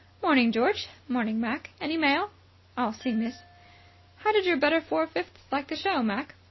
"'Morning, George. 'Morning, Mac. Any mail?" "I'll see, miss." "How did your better four fifths like the show, Mac?"